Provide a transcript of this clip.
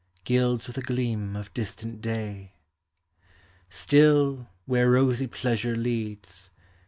Gilds with a gleam of distant day. Still, where rosy pleasure leads.